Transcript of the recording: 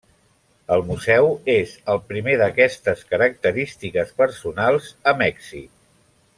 El museu és el primer d'aquestes característiques personals a Mèxic.